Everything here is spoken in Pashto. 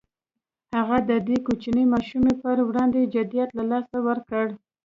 هغه د دې کوچنۍ ماشومې پر وړاندې جديت له لاسه ورکړ.